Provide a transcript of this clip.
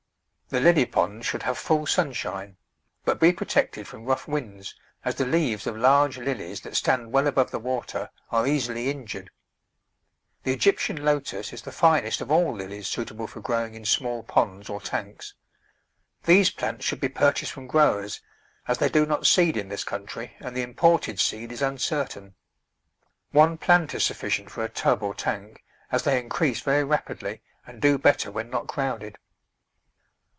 The Lily pond should have full sunshine, but be protected from rough winds, as the leaves of large Lilies that stand well above the water are easily injured. The Egyp tian Lotus is the finest of all Lilies suitable for grow ing in small ponds or tanks. These plants should be purchased from growers, as they do not seed in this country and the imported seed is uncertain. One plant is sufficient for a tub or tank, as they increase very rapidly and do better when not crowded.